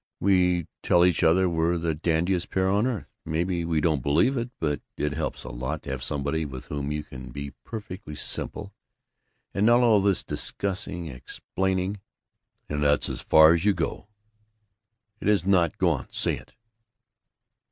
We tell each other we're the dandiest pair on earth. Maybe we don't believe it, but it helps a lot to have somebody with whom you can be perfectly simple, and not all this discussing explaining " "And that's as far as you go?" "It is not! Go on! Say it!"